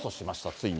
ついに。